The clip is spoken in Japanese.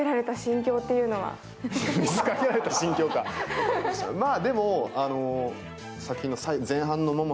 水かけられた心境かまあ。